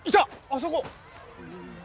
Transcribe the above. あそこ！